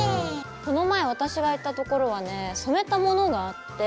この前私が行ったところはね染めたものがあって。